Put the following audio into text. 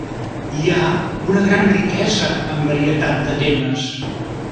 Hi ha una gran riquesa en varietat de temes.